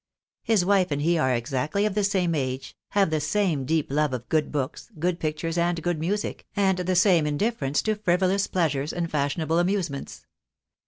His wife and he are of exactly the same age, have the same THE DAY WILL COME. 293 deep love of good books, good pictures, and good music, and the same indifference to frivolous pleasures and fashionable amusements.